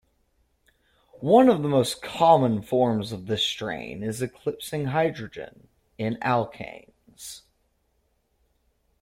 One of the most common forms of this strain is eclipsing hydrogen, in Alkanes.